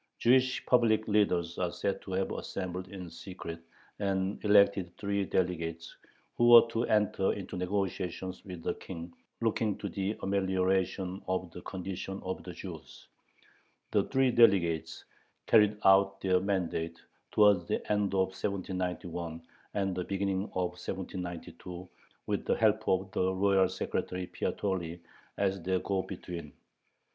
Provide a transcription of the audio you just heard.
Jewish public leaders are said to have assembled in secret and elected three delegates, who were to enter into negotiations with the King looking to the amelioration of the condition of the Jews. The three delegates carried out their mandate, towards the end of 1791 and the beginning of 1792, with the help of the Royal Secretary Piatoli as their go between.